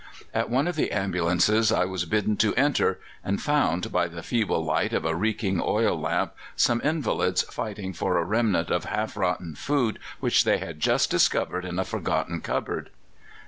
"At one of the ambulances I was bidden to enter, and found, by the feeble light of a reeking oil lamp, some invalids fighting for a remnant of half rotten food which they had just discovered in a forgotten cupboard.